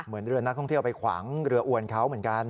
เหมือนเรือนักท่องเที่ยวไปขวางเรืออวนเขาเหมือนกัน